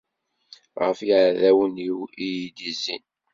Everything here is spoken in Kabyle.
Ɣef yiɛdawen-iw i yi-d-izzin.